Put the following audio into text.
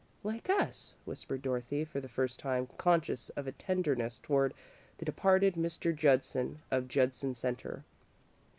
"Like us," whispered Dorothy, for the first time conscious of a tenderness toward the departed Mr. Judson, of Judson Centre.